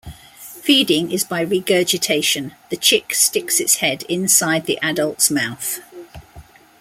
Feeding is by regurgitation, the chick sticks its head inside the adults mouth.